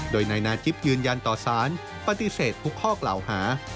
โดยนายนาจิ๊บยืนยันต่อสารปฏิเสธทุกข้อกล่าวหา